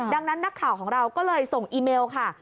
ดังนั้นนักข่าวของเราก็เลยส่งอีเมลค่ะ